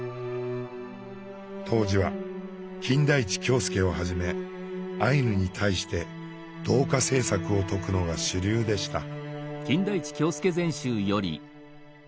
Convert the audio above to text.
当時は金田一京助をはじめアイヌに対して「同化政策」を説くのが主流でした。